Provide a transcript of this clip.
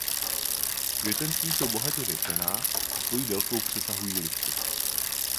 Květenství jsou bohatě větvená a svojí délkou přesahují listy.